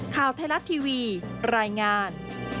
ข่าวไทยรัฐทีวีรายงาน